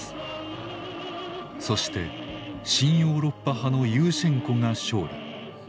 そして親ヨーロッパ派のユーシェンコが勝利。